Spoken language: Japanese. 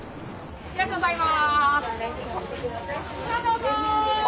ありがとうございます。